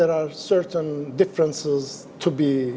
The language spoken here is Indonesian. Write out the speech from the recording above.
harus dihadapi dengan sangat berat